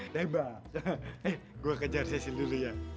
tembak eh gue kejar cecil dulu ya